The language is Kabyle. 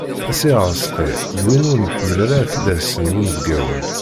Si Rezqi d win ur nḥemmel ara ad t-id-asen yinebgawen.